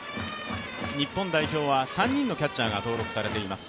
日本代表は３人のキャッチャーが登録されています。